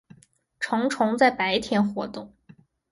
成虫在白天活动。